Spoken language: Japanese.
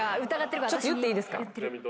ちょっと言っていいですか。